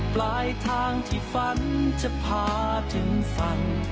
ปลายทางที่ฝันจะพาถึงฝัน